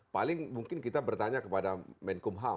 paling mungkin kita bertanya kepada menkumham